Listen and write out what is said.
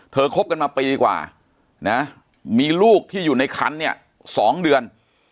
คบกันมาปีกว่านะมีลูกที่อยู่ในคันเนี่ย๒เดือน